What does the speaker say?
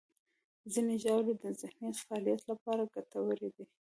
ځینې ژاولې د ذهني فعالیت لپاره ګټورې دي.